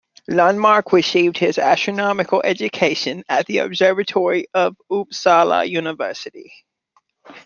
Lundmark received his astronomical education at the observatory of Uppsala University.